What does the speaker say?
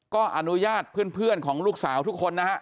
ก็อนุญาตเพื่อนของลูกสาวทุกคนนะฮะ